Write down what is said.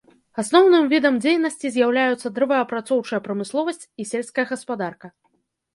Асноўным відам дзейнасці з'яўляюцца дрэваапрацоўчая прамысловасць і сельская гаспадарка.